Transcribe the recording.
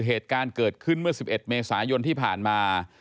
เหตุการณ์เกิดขึ้นเมื่อ๑๑เมษายนที่ผ่านมา